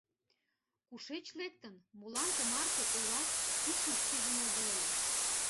Кушеч лектын, молан тымарте Олас пушым шижын огыл ыле?